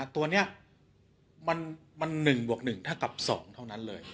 ตัวนี้มัน๑บวก๑ถ้ากับ๒เท่านั้นเลย